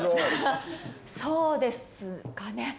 そうですかね？